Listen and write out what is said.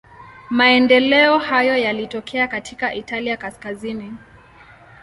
Maendeleo hayo yalitokea katika Italia kaskazini.